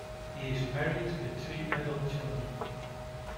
He is married with three adult children.